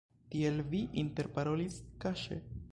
Tiel, vi interparolis kaŝe?